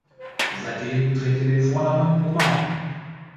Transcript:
Seitdem trägt er den Vornamen Omar.